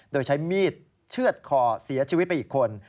โดยใช้มีดเชื่อดคอเสียชีวิตไปอีกคน